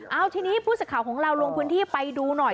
เอาทีนี้ผู้สื่อข่าวของเราลงพื้นที่ไปดูหน่อย